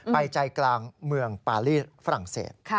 ใจกลางเมืองปาลีฝรั่งเศส